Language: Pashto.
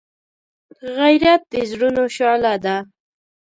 غیرت د زړونو شعله ده